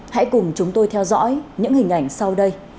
hãy cùng chúng tôi theo dõi những hình ảnh sau đây